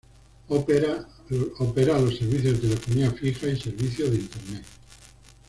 Opera los servicios de telefonía fija y servicio de internet.